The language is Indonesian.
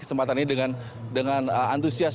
kesempatan ini dengan antusias